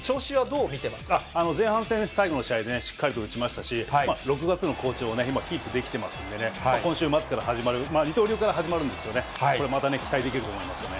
前半戦、最後の試合でしっかりと打ちましたし、６月の好調を今、キープできていますんでね、今週末から始まる、二刀流から始まるんですよね、これまた期待できると思うんですよね。